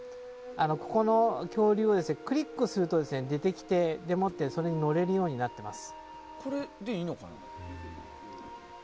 ここの恐竜はクリックすると出てきてそれに乗れるようになっています。